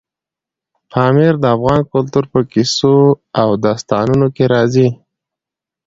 پامیر د افغان کلتور په کیسو او داستانونو کې راځي.